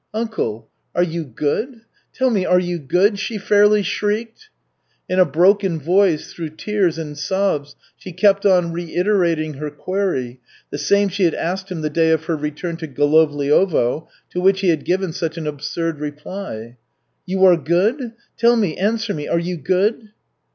"Uncle, are you good? Tell me, are you good?" she fairly shrieked. In a broken voice, through tears and sobs, she kept on reiterating her query, the same she had asked him the day of her return to Golovliovo, to which he had given such an absurd reply. "You are good? Tell me, answer me, are you good?"